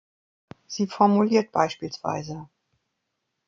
Sie formuliert bspw.